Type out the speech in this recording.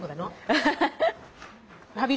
アハハハッ。